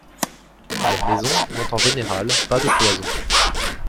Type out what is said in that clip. Leurs maisons n'ont en général pas de cloisons.